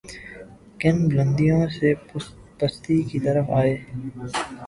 کن بلندیوں سے پستی کی طرف آئے۔